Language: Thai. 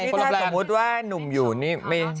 สมมุติว่านุ่มอยู่นี่